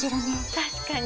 確かに。